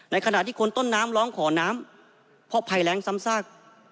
ขณะที่คนต้นน้ำร้องขอน้ำเพราะภัยแรงซ้ำซาก